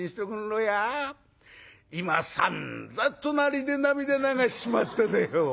今さんざん隣で涙流しちまっただよ。